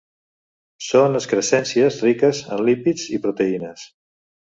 Són excrescències riques en lípids i proteïnes.